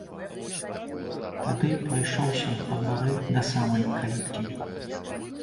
Тады прайшоўся па двары да самай каліткі.